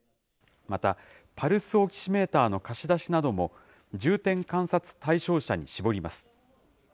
また、パルスオキシメーターの貸し出しなども、重点観察対象者に絞ります。